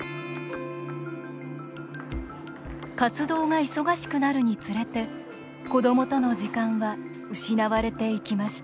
活動が忙しくなるにつれて子どもとの時間は失われていきました